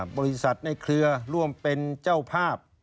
บริษัทในเครือร่วมเป็นเจ้าภาพ